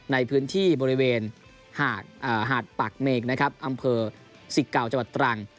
ในพื้นที่บริเวณหาดปากเมกนะครับอำเภอสิกเก่าจังหวัดตรัง